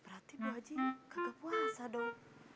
berarti bu haji gak puasa dong